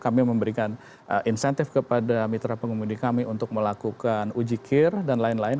kami memberikan insentif kepada mitra pengemudi kami untuk melakukan ujikir dan lain lain